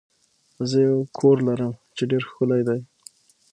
زه یو کور لرم چې ډیر ښکلی دی.